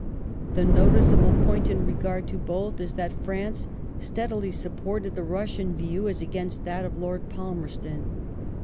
The noticeable point in regard to both is that France steadily supported the Russian view as against that of Lord Palmei ston.